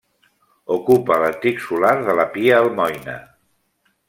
Ocupa l'antic solar de la Pia Almoina.